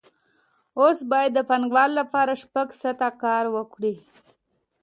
اوس باید د پانګوال لپاره شپږ ساعته کار وکړي